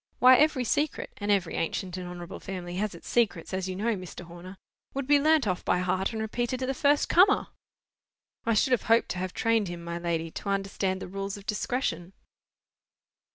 Why, every secret (and every ancient and honourable family has its secrets, as you know, Mr. Horner) would be learnt off by heart, and repeated to the first comer!" "I should have hoped to have trained him, my lady, to understand the rules of discretion."